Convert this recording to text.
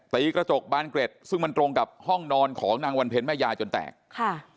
ตีกระจกบานเกร็ดซึ่งมันตรงกับห้องนอนของนางวันเพ็ญแม่ยายจนแตกค่ะ